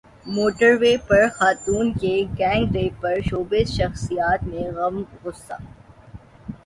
motor وے پر خاتون کے گینگ ریپ پرشوبز شخصیات میں غم غصہ